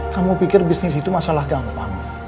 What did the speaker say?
kamu pikir bisnis itu masalah gampang